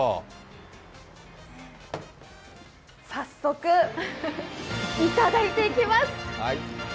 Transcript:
早速いただいていきます。